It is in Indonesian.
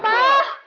papa aku disini pa